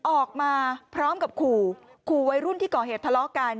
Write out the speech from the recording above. ออกมาพร้อมกับขู่ขู่วัยรุ่นที่ก่อเหตุทะเลาะกัน